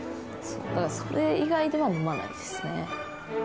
それ以外では飲まないですね。